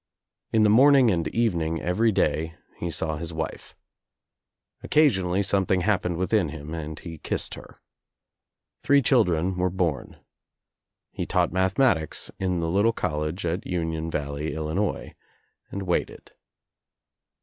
In the morning and evening every day he saw his wife. Occasionally something happened within him and he kissed her. Three chil dren were born. He taught mathematics in the little college at Union Valley, Illinois, and waited.